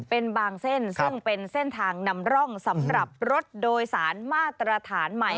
เป็นบางเส้นซึ่งเป็นเส้นทางนำร่องสำหรับรถโดยสารมาตรฐานใหม่